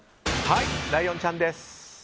ライオンちゃんです。